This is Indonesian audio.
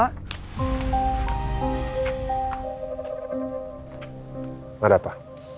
nggak ada apa